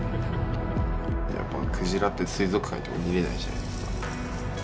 やっぱ鯨って水族館行っても見れないじゃないですか。